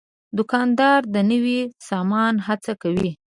دوکاندار د نوي سامان هڅه کوي.